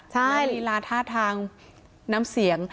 น่าริลาท่าทางน้ำเสียง